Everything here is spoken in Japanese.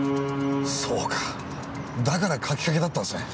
そうかだから描きかけだったんですね。